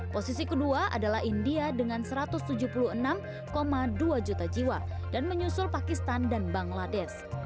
posisi kedua adalah india dengan satu ratus tujuh puluh enam dua juta jiwa dan menyusul pakistan dan bangladesh